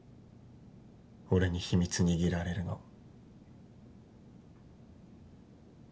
俺に秘密握られるの。